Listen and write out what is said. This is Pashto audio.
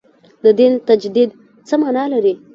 د دین تجدید څه معنا لري.